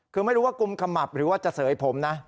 คือไม่รู้ว่ากุมขมับหรือว่าจะเสยผมนะ